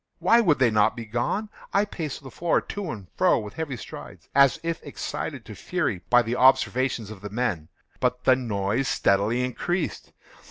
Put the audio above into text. Why would they not be gone? I paced the floor to and fro with heavy strides, as if excited to fury by the observations of the men—but the noise steadily increased.